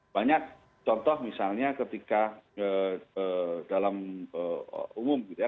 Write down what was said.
banyak contoh misalnya ketika dalam umum gitu ya